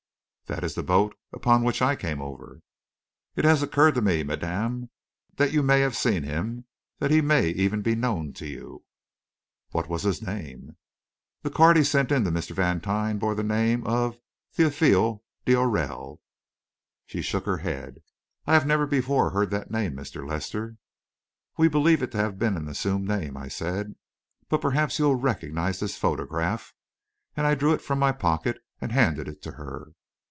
"That is the boat upon which I came over." "It has occurred to me, madame, that you may have seen him that he may even be known to you." "What was his name?" "The card he sent in to Mr. Vantine bore the name of Théophile d'Aurelle." She shook her head. "I have never before heard that name, Mr. Lester." "We believe it to have been an assumed name," I said; "but perhaps you will recognise this photograph," and I drew it from my pocket and handed it to her.